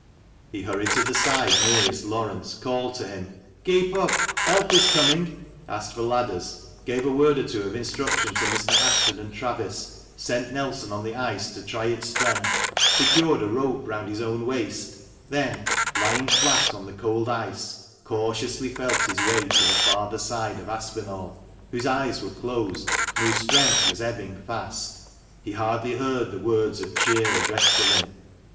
He hurried to the side nearest Laurence ; called to him, "Keep up; help is coming!" — asked for ladders; gave a word or two of instruction to Mr. Ashton and Travis ; sent Nelson on the ice to try its strength ; secured a rope round his own waist ; then, lying flat on the cold ice, cautiously felt his way to the farther side of Aspinall, whose eyes were closed, and whose strength was ebbing fast. He hardly heard the words of cheer addressed to him."